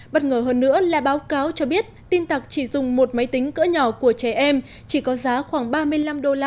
bất ngờ hơn nữa là báo cáo cho biết tin tặc chỉ dùng một máy tính cỡ nhỏ của trẻ em chỉ có giá khoảng ba mươi năm đô la để thực hiện phi vụ tấn công này